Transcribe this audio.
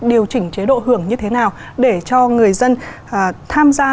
điều chỉnh chế độ hưởng như thế nào để cho người dân tham gia